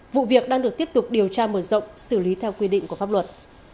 vụ việc đang được tiếp tục điều tra mở rộng xử lý theo quy định của pháp luật